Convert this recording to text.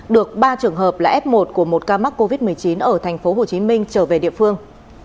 được ba trường hợp là f một của một ca mắc covid một mươi chín ở tp hcm trở về địa phương